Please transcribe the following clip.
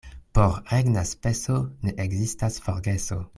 Por regna speso ne ekzistas forgeso.